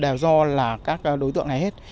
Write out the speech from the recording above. thắng hay thua đều do là các đối tượng này hết